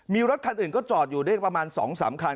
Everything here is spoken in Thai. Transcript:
มีรถคันอื่นก็จอดอยู่ได้ประมาณ๒๓คัน